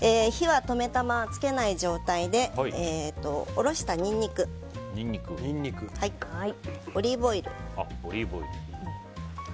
火はつけない状態でおろしたニンニクオリーブオイル。